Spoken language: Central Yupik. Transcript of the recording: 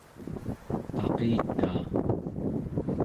qaqitaa